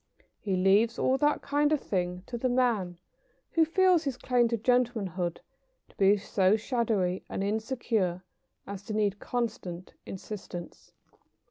He leaves all that kind of thing to the man who feels his claim to gentlemanhood to be so shadowy and insecure as to need constant insistance.